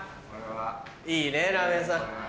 いいねラーメン屋さん。